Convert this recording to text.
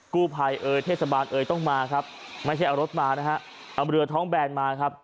กู้ภัยเอ่ยเทศบาลเอ่ยต้องมาครับไม่ใช่เอารถมานะฮะเอาเรือท้องแบนมาครับ